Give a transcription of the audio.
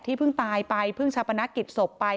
ที่เพิ่งตายไปเพิ่งชับประณะกิจศพไป